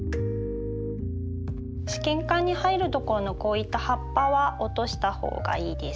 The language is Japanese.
試験管に入るところのこういった葉っぱは落とした方がいいです。